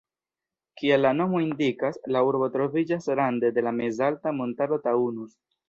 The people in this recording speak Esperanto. Kiel la nomo indikas, la urbo troviĝas rande de la mezalta montaro Taunus.